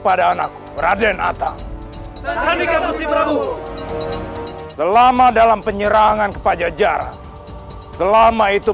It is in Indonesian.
pada anak berada di natal dan jadikan berhubung selama dalam penyerangan kepada jarak selama itu